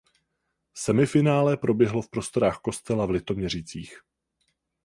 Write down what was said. Semifinále proběhlo v prostorách Kostela v Litoměřicích.